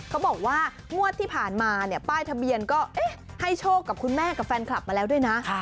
เขาบอกว่างวดที่ผ่านมาเนี่ยป้ายทะเบียนก็ให้โชคกับคุณแม่กับแฟนคลับมาแล้วด้วยนะ